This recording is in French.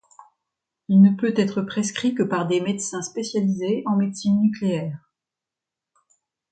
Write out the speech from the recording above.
Il ne peut être prescrit que par des médecins spécialisés en médecine nucléaire.